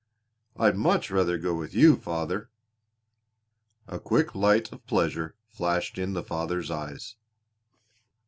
"I'd much rather go with you, father." A quick light of pleasure flashed in the father's eyes.